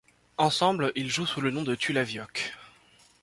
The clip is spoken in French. Ensemble, ils jouent sous le nom de Tue la viock.